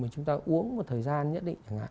chúng ta uống một thời gian nhất định